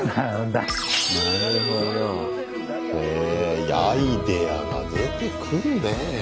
いやアイデアが出てくるねぇ。